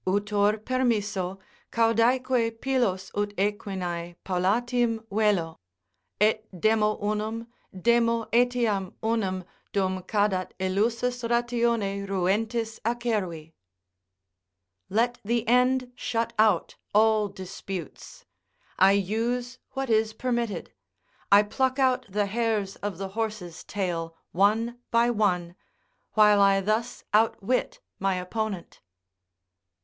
Utor permisso; caudaeque pilos ut equinae Paulatim vello, et demo unum, demo etiam unum Dum cadat elusus ratione ruentis acervi:" ["Let the end shut out all disputes .... I use what is permitted; I pluck out the hairs of the horse's tail one by one; while I thus outwit my opponent."